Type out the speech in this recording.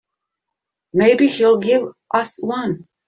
Maybe he'll give us one.